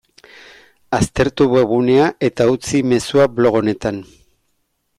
Aztertu webgunea eta utzi mezua blog honetan.